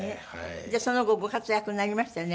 その後ご活躍になりましたよね。